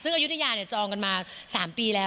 ซึ่งอายุทยาจองกันมา๓ปีแล้ว